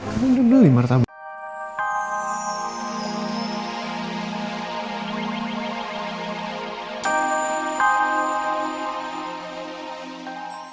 kamu yang duduk dimartabat